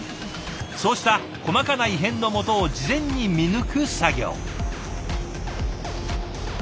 そうした細かな異変のもとを事前に見抜く作業。